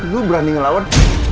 lu berani ngelawan